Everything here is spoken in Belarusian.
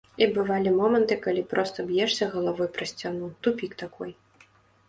І бывалі моманты, калі проста б'ешся галавой пра сцяну, тупік такой.